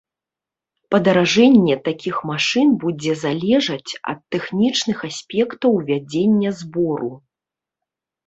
Падаражэнне такіх машын будзе залежаць ад тэхнічных аспектаў ўвядзення збору.